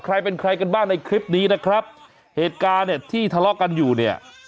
ใครเป็นใครกันบ้างในคลิปนี้นะครับเหตุการณ์เนี่ยที่ทะเลาะกันอยู่เนี่ย